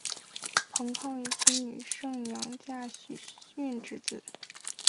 彭抗以其女胜娘嫁许逊之子。